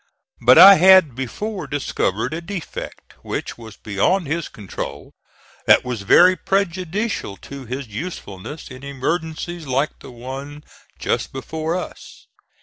But I had before discovered a defect which was beyond his control, that was very prejudicial to his usefulness in emergencies like the one just before us.